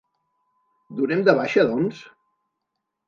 Donem de baixa, doncs?